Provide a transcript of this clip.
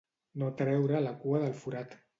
No treure la cua del forat.